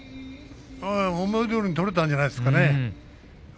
思いどおりに取れたんじゃないですかね？